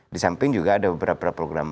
di samping juga ada beberapa program